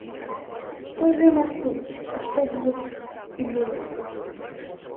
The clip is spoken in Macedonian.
Што зема студ, а што блуд и лудост.